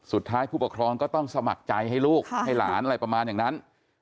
ผู้ปกครองก็ต้องสมัครใจให้ลูกให้หลานอะไรประมาณอย่างนั้น